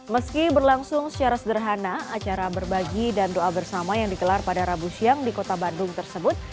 meski berlangsung secara sederhana acara berbagi dan doa bersama yang dikelar pada rabu siang di kota bandung tersebut